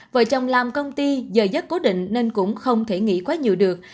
vợ chồng làm công ty giờ dất cố định nên cũng không thể nghĩ quá nhiều được